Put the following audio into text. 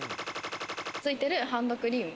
ついてるハンドクリーム。